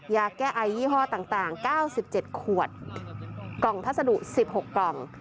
ยาแก้ไอยี่ห้อต่าง๙๗ขวดกล่องพัสดุ๑๖กล่อง